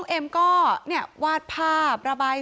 เป็นมีดปลายแหลมยาวประมาณ๑ฟุตนะฮะที่ใช้ก่อเหตุ